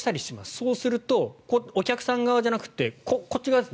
そうするとお客さん側じゃなくてこっち側です。